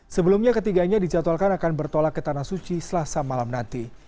sebelumnya ketiganya dijadwalkan akan bertolak ke tanah suci selasa malam nanti